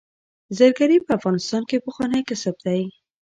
زرګري په افغانستان کې پخوانی کسب دی